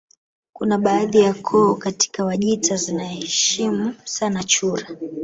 Kuna baadhi ya koo katika Wajita zinaheshimu sana chura